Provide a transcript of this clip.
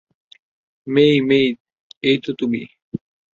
মেই-মেই, এইতো তুমি।